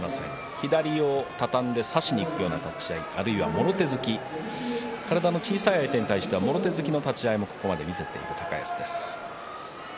左を畳んで差しにいくような立ち合い、あるいはもろ手突き体の小さい相手にはもろ手突きの立ち合いも見せている高安です。